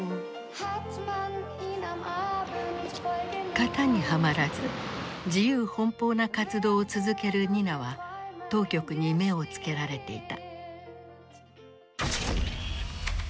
型にはまらず自由奔放な活動を続けるニナは当局に目を付けられていた。